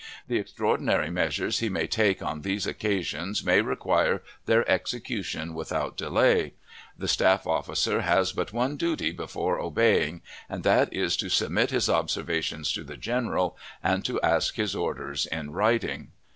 The extraordinary measures he may take on these occasions may require their execution without delay. The staff officer has but one duty before obeying, and that is to submit his observations to the general, and to ask his orders in writing.